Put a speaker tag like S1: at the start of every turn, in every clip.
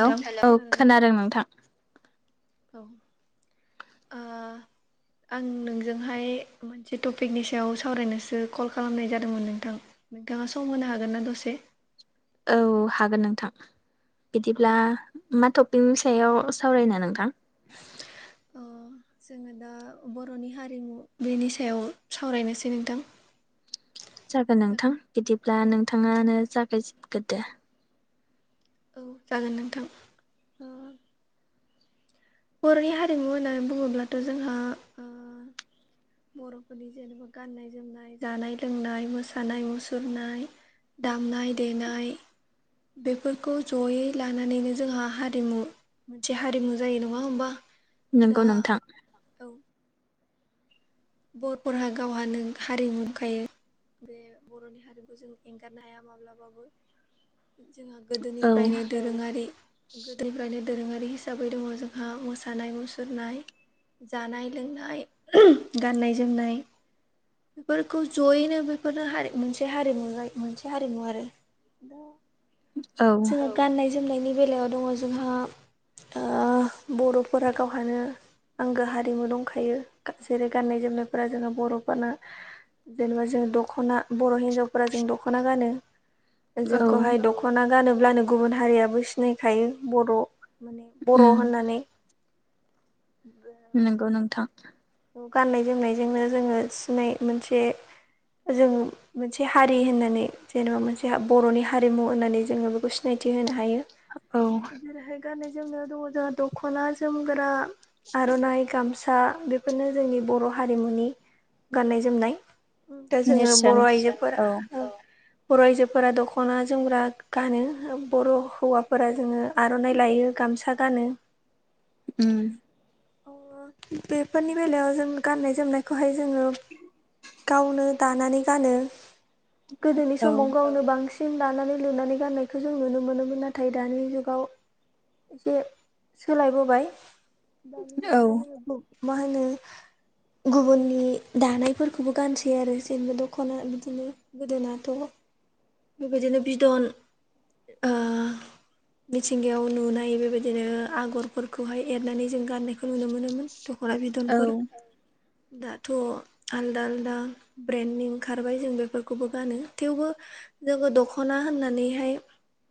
S1: हेल' औ
S2: खोनादोंना
S1: खोनादों नोंथां।
S2: औ ओ आं नोंजोंहाय मोनसे टपिकनि सायाव सावरायनोसो कल खालामनाय जादोंमोन नोंथां नोंथाङा सम होनो हागोन ना दसे
S1: औ हागोन नोंथां बिदिब्ला मा टपिकनि सायाव सावरायनो नोंथां
S2: अ जोंङो दा बरनि हारिमु बेनि सायाव सावरायनोसै नोंथां
S1: जागोन नोंथां बिदिब्ला
S2: औ
S1: नोंथाङानो जागायजेनग्रो
S2: औ जागोन नोंथां ओ बरनि हारिमु होननानै बुंङोब्लाथ जोंहा‌ ओ बरफोरनि जेनेबा गाननाय जोमनाय जानाय लोंनाय मोसानाय मुसुरनाय दामनाय देनाय बेफोरखौ जयै लानानैनो जोंहा हारिमु मोनसे हारिमु जायो नंङा होमबा दा
S1: नोंगौ नोंथां
S2: औ बरफोरहा गावहानो हारिमु दंखायो बे बरनि हारिमु जों एंगारनो हाया माब्लाबाबो जोंहा
S1: औ
S2: गोदोनिफ्रायनो दोरोङारि गोदोनिफ्रायनो दोरोङारि हिसाबै दङ जोंहा मोसानाय मुसुरनाय जानाय लोंनाय गाननाय जोमनाय बेफोरखौ जयैनो बेफोरनो हारि मोनसे हारिमु जायो मोनसे हारिमु आरो दा
S1: औ
S2: जोंहा गाननाय जोमनायनि बेलायाव दंङ जोंहा ओह बरफोरा गावहानो आंगो हारिमु दंखायो जेरै गाननाय जोमनायफ्रा जोंहा बरफोरानो जेनेबा जों दखना बर हिनजावफोरा जों दखना गानो
S1: औ
S2: जोंखौहाय दखना गानोब्लानो गुबुन हारियाबो सिनायखायो बर माने बर
S1: उम
S2: होननानै
S1: नोंगौ नोंथां
S2: गाननाय जोमनायजोंनो जोङो सिनाय मोनसे जों मोनसे हारि होननानै जेनेबा मोनसे बरनि हारिमु होननानै जोङो बेखौ सिनायथि होनो हायो
S1: औ
S2: जेरैहाय गाननाय जोमनायाव दङ जोंहा दखना जोमग्रा आरनाइ गामसा बेफ बेफोरनो जोंनि बर‌ हारिमुनि गाननाय जोमनाय दा जोंङो
S1: नेरसोन
S2: बर आइजोफोरा औ बर‌' आइजोफोरा दखना जोमग्रा गानो ओ बर' हौवाफोरा जोङो आरनाइ लायो गामसा गानो।
S1: उम
S2: ओ बेफोरनि बेलायाव जों गाननाय जोमनायखौहाय जोङो गावनो दानानै गानो गोदोनि
S1: औ
S2: समाव गावनो बांसि सिम लानानै लुनानै गाननायखौ जों नुनो मोनोमोन नाथाय दानि जुगाव एसे सोलायबोबाय दानि
S1: औ
S2: जुगावहाय जोङो बुं मा होनो गुबुननि दानायफोरखौबो गानसै आरो जेनेबा दखना बिदिनो गोदोनाथ बेबायदिनो बिदन ओह मिथिंगायाव नुनाय बेबायदिनो आगरफोरखौहाय एरनानै जों गाननायखौ नुनो मोनोमोन दखना
S1: औ
S2: बिदनफोर दाथ आलदा आलदा ब्रेन्डनि ओंखारबाय जों बेफोरखौबो गानो थेवबो जोङो दखना होननानैहाय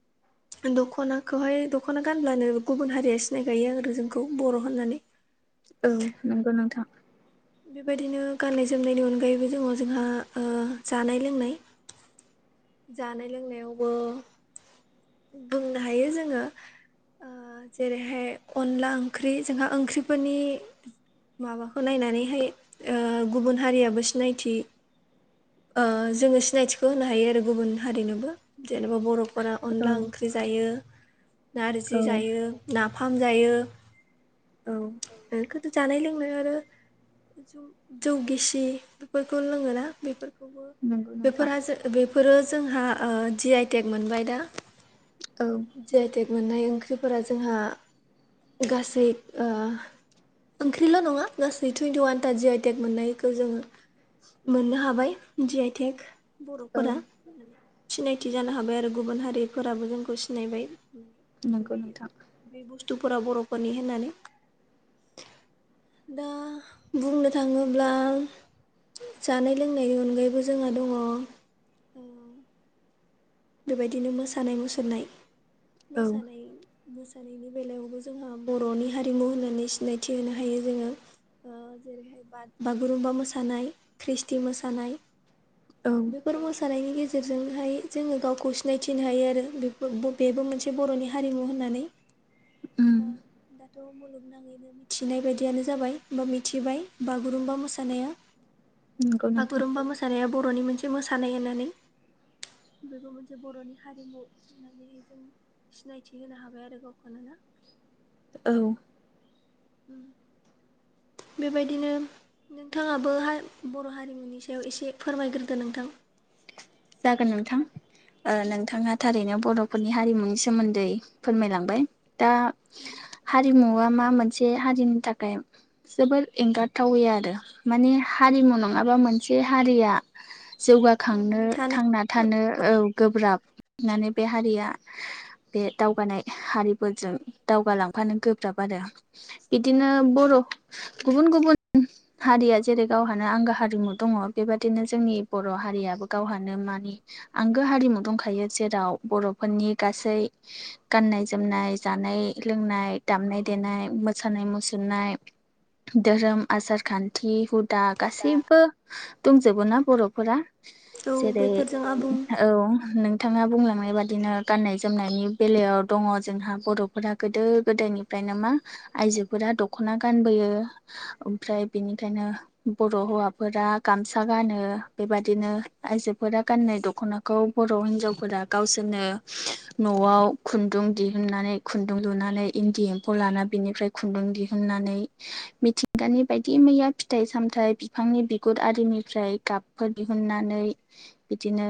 S1: [inaudible]
S2: दखनाखौहाय दखना गानब्लानो गुबुन हारिया सिनायखायो आरो जोंखौ बर‌' होननानै।
S1: ओं नंगौ नोंथां।
S2: बेबायदिनो गाननाय जोमनायनि अनगायैबो दङ जोंहा ओ जानाय लोंनाय। जानाय लोंनायावबो बुंनो हायो जोङो। ओ जेरैहाय अनला ओंख्रि जोंहा ओंख्रिफोरनि माबाखौ नायनानैहाय ओ गुबुन हारियाबो सिनायथि ओ जोङो सिनायथिखौ होनो हायो आरो गुबुन हारिनोबो जेनेबा बर' बर'फोरा
S1: औ
S2: अनला ओंख्रि जायो
S1: औ
S2: नारजि जायो नाफाम जायो।
S1: औ।
S2: ओ खोथु जानाय लोंनाय आरो जौ जौ गिसि बेफोरखौ लोङोना बेफोर।
S1: नंगौ नोंथां
S2: बेफोरहा बेफोरो जोंहा ओ जि आइ टेक मोनबाय दा।
S1: औ।
S2: जि आइ टेक मोननाय ओंख्रिफोरा जोंहा गासै ओ ओंख्रिल' नङा गासै टुइन्टिवान था जि आइ टेक मोननायखौ जोङो मोननो हाबाय जि आइ टेक
S1: औ
S2: बर'फोरा। सिनायथि जानो हाबाय आरो गुबुन हारिफोराबो जोंखौ सिनायबाय।
S1: नंगौ
S2: बे
S1: नोंथां
S2: बे बुस्थुफोरा बर'फोरनि होननानै। दा बुंनो थाङोब्ला जानाय लोंनायनि अनगायैबो जोंहा दङ ओ बेबायदिनो मोसानाय मुसुरनाय
S1: औ
S2: मोसानाय मोसानायनि बेलायावबो जोंहा बर'नि हारिमु होननानै सिनायथि होनो हायो जोङो ओ जेरैहाय बा-बागुरुमबा मोसानाय ख्रिस्टि मोसानाय।
S1: औ
S2: बेफोर मोसानायनि गेजेर जों हाय जोङो गावखौ सिनायथिनो हायो आरो बेफो बेबो मोनसे बर'नि हारिमु होननानै
S1: उम
S2: दा-दाथ' मुलुगनाङैनो मिथिनाय बायदियानो जाबाय बा मिथिबाय बागुरुमबा मोसानाया
S1: नंगौ नोंथां
S2: बागुरुम्बा मोसानाया बर'नि मोनसे मोसानाय होननानै बेबो मोनसे बर'नि हारिमु होननानैहाय जों सिनायथि होनो हाबाय आरो गावखौनो ना।
S1: औ। [inaudible]
S2: बेबायदिनो नोंथाङाबो हाय बर' हारिमुनि सायाव एसे फोरमायग्रोदो नोंथां।
S1: जागोन नोंथां। ओ नोंथाङा थारैनो बर'फोरनि हारिमुनि सोमोन्दै फोरमायलांबाय। दा हारिमुवा मा मोनसे हारिनि थाखाय। जोबोद एंगारथावै आरो माने हारिमु नङाबा मोनसे हारिया। जौगाखांनो
S2: थांनानै थानो
S1: थांना थानो औ गोब्राब होननानै बे हारिया बे दावगानाय हारिफोरजों दावगालांफानो गोब्राब आरो बिदिनो बर' गुबुन गुबुन हारिया जेरै गावहानो आंगो हारिमु दङ बेबाददिनो जोंनि बर' हारियाबो गावहानो मानि आंगो हारिमु दंखायो जेराव बर'फोरनि गासै गाननाय जोमनाय जानाय लोंनाय दामनाय देनाय मोसानाय मुसुरनाय। धोरोम आसार खान्थि हुदा गासैबो दंजोबो ना बर'फोरा।
S2: औ
S1: जेरै
S2: बेफोरजों आबुं
S1: औ नों बिथाङा बुंलांनाय बादिनो गाननाय जोमनायनि बेलायाव दङ जोंहा बर'फोरा गोदो गोदायनि। ओमफ्रायनो मा आइजोफोरा दख'ना गानबोयो। ओमफ्राय बिनिखायनो बर' हौवाफोरा गामसा गानो बेबादिनो। आइजोफोरा गाननाय दख'नाखौ बर' हिनजावफोरा गावसोरनो न'आव खुन्दुं दिहुननानै खुन्दुं लुनानै इन्दि एम्फौ लाना बेनिफ्राय खुन्दुं दिहुननानै मिथिंगानि बायदि मैया फिथाइ सामथायाइ बिफांनि बिगुर आरिनिफ्राय गाब फोर दिहुननानै बिदिनो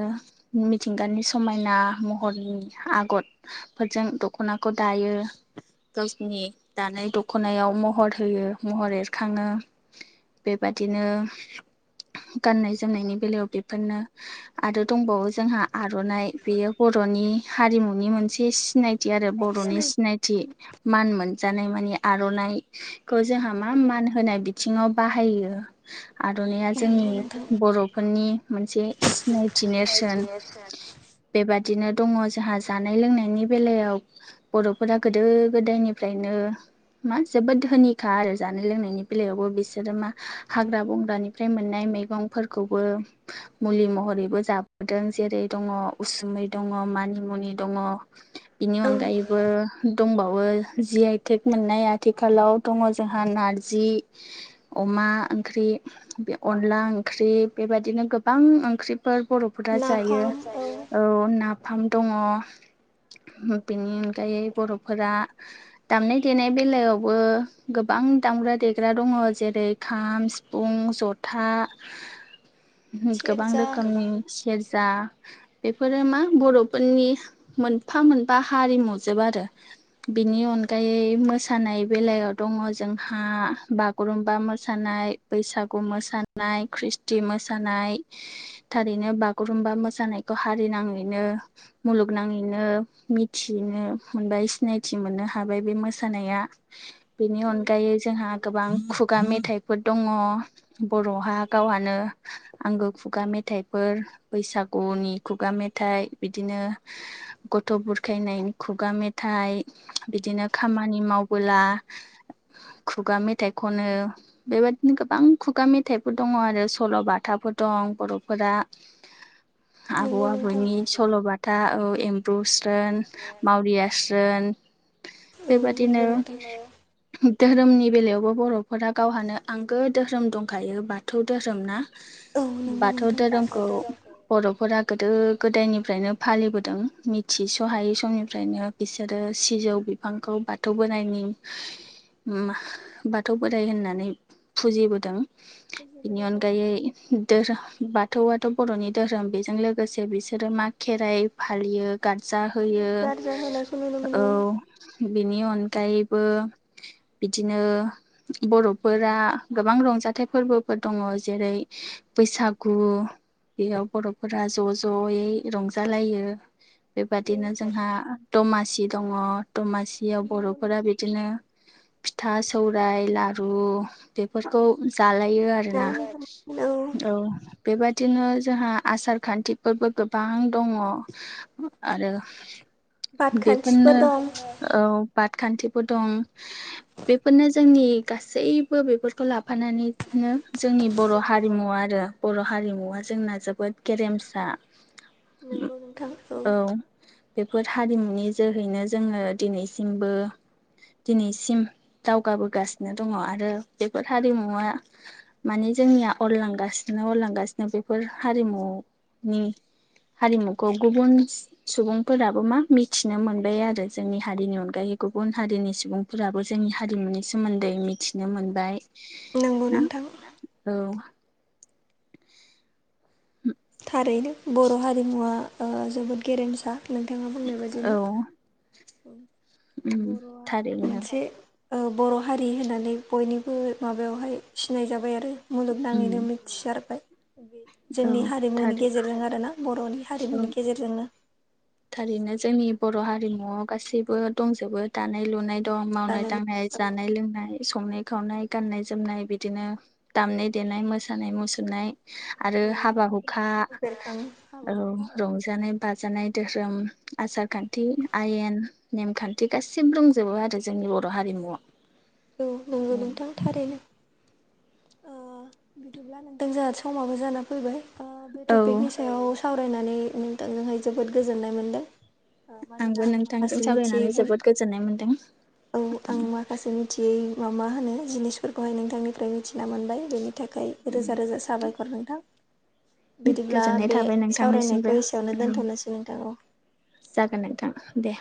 S1: मिथिंगानि समायना महरनि आगर फोरजों दख'नाखौ दायो गावसनि दानाय दख'नायाव महर होयो महर एरखाङो बेबादिनो गाननाय जोमनायनि बेलायाव बे बेफोरनो आरो दंबावो जोंहा आर'नाइ बेयो बर'नि हारिमुनि मोनसे सिनायथि आरो बर'नि
S2: सिनाय
S1: सिनायथि मान मोनजानाय मानि आर'नाइखौ जोंहा मा मान होनाय बि आथिङाव बाहायो आर'नाइया जोंनि
S2: नंगौ नोंथां
S1: बर'फोरनि मोनसे सिनायथि नेरसोन बेबादिनो दङ जोंहा जानाय लोंनायनि बेलायाव बर'फोरा गोदो गोदायनिफ्रायनो मा जोबोद धोनिखा आरो जानाय लोंनायनि बेलायावबो बिसोरो मा हाग्रा बंग्रानिफ्राय मोननाय मैगंफोरखौबो मुलि महरैबो जाबोदों जेरै दङ उसुमै दङ मानिमुनि दङ बिनि
S2: औ
S1: अनगायैबो दंबावो जि आइ थेक मोननाय आथिखालाव दङ जोंहा नारजि अमा ओंख्रि अनला ओंख्रि बेबायदििनो गोबां ओंख्रिफोर बर'फोरा जायो औ नाफाम दङ बेनि अनगायै बर'फोरा दामनाय देनाय बेलायावबो गोबां दामग्रा देग्रा दङ जेरै खाम सिफुं जथा गोबां
S2: सेरजा
S1: रोखोमनि सेरजा बेफोरो मा बर'फोरनि मोनफा मोनफा हारिमुजोब आरो बेनि अनगायै मोसानाय बेलायाव दङ जोंहा बागुरुमबा मोसानाय बैसागु मोसानाय ख्रिस्टि मोसानाय थारैनो बागुरुम्बा मोसानायखौ हारिनाङैनो मुलुगनाङैनो मिथिनो मोनबाय सिनायथि मोननो हाबाय बे मोसानाया बेनि अनगायै जोंहा गोबां खुगा मेथायाइफोर दङ बर'हा गावहानो आंगो खुगा मेथाइफोर बैसागुनि खुगा मेथाइ बिदिनो गथ' बुरखायनायनि खुगा मेथाइ बिदिनो खामानि मावबोला खुगा मेथाइ खनो बेबायदिनो गोबां खुगा मेथाइफोर दङ आरो सल'बाथाफोर दं बर'फोरा आबौ
S2: नंगौ नोंथां
S1: आबौनि स सल'बाथा औ एम्ब्रु स्रोन मावरिया स्रोन
S2: औ नंगौ
S1: बेबादिनो
S2: नोंथां
S1: धोरोमनि बेलायावबो बर'फोरा गावहानो आंगो धोरोम दंखायो बाथौ धोरोम ना?
S2: औ नंगौ
S1: बाथौ
S2: नोंथां
S1: धोरोमखौ बर'फोरा गोदो गोदायनिफ्रायनो फालिबोदों मिथिस'हायै समनिफ्रायनो। बिसोरो सिजौ बिफांखौ बाथौ बोरायनि बाथौ बोराय होननानै फुजिबोदों बिनि
S2: फुजिबोदों औ
S1: अनगायै धोरोम बाथौआथ' बर'नि धोरोम बेजों लोगोसे बिसोरो मा खेराइ फालियो गारजा होयो
S2: गारजा होनायखौ नुनो
S1: औ
S2: मोनो
S1: बेनि अनगायैबो बिदिनो बर'फोरा गोबां रंजाथाइ फोरबो फोर दङ जेरै बैसागु बेयाव बर'फोरा ज' ज'यै रंजालायो
S2: औ
S1: बेबादिनो जोंहा दमासि दङ दमासियाव
S2: नंगौ
S1: बर'फोरा बिदिनो फिथा सौराइ लारु बेफोरखौ जालायो आरोना। औ बेबादिनो जोंहा आसार खान्थिफोरबो गोबां दङ। आरो। बेफोरनो
S2: बादखान्थिफोर दं
S1: औ बादखान्थिबो दं। बेफोरनो जोंनि गासैबो बेफोरखौ लाफानानैनो जोंनि बर' हारिमु आरो बर' हारिमुवा जोंना जोबोद गेरेमसा।
S2: नंगौ नोंथां
S1: औ। बेफोर हारिमुनि जोहैनो जोङो दिनैसिमबो दिनैसिम दावगाबोगासिनो दङ आरो बेफोर हारिमुवा माने जोंनिया अरलांगासिनो अरलांगासिनो बेफोर हारिमुनि हारिमुखौ गुबुन सुबुंफोराबो मा मिथिनो मोनबाय आरो जोंनि हारिनि अनगायै गुबुन हारिनि सुबुं फोराबो जोंनि हारिमुनि सोमोन्दै मिथिनो मोनबाय।
S2: नंगौ
S1: ना
S2: नोंथां।
S1: औ। [inaudible]
S2: थारैनो बर' हारिमुवा ओ जोबोद गेरेमसा नोंथाङा बुंनाय
S1: औ
S2: बायदिनो।
S1: उम
S2: बर'आ
S1: थारैनो
S2: मोनसे ओ बर' हारि होननानै बयनिबो माबायावहाय सिनायजाबाय आरो
S1: उम
S2: मुलुगनाङैनो मि थिसारबाय जोंनि
S1: औ
S2: हारिमुनि
S1: थारै
S2: गेजेरजों आरो ना बर'नि
S1: औ
S2: हारिमुनि गेजेरजोंनो।
S1: थारैनो जोंनि बर' हारिमुवआव गासैबो दंजोबो दानाय लुनाय दं मावनाय
S2: दानानै
S1: दांनाय जानाय लोंनाय संनाय खावनाय गाननाय जोमनाय बिदिनो दामनाय देनाय मोसानाय मुसुरनाय आरो हाबा हुखा
S2: औ बेरखाङो हाबा
S1: औ
S2: हुखा
S1: रंजानाय बाजानाय धोरोम आसार खान्थि आयेन नेमखान्थि गासिबो दंजोबो आरो जोंनि बर' हारिमुआव।
S2: औ नंगौ नोंथां थारैनो। ओ बिदिब्ला नोंथां जोंहा समाबो जाना फैबाय ओ बे
S1: औ
S2: टपिकनि सायाव सावरायनानै नोंथांजोंहाय जोबोद गोजोननाय मोनदों। मानोना
S1: आंबो
S2: आं
S1: नोंथांजों
S2: माखासे
S1: सावरायनानै
S2: मिथियैखौ
S1: जोबोद गोजोननाय मोनदों
S2: औ आं माखासे मि थियै मा मा होनो जिनिसफोरखौहाय नोंथांनिफ्राय मिथिना मोनबाय बेनि थाखाय रोजा रोजा साबायखर नोंथां। बिदिब्ला
S1: गोजोननाय
S2: बे
S1: थाबाय नोंथांनिसिमबो
S2: सावरायनायखौ एसेयावनो
S1: औ
S2: दोन्थ'नोसै नोंथां औ।
S1: जागोन नोंथां दे।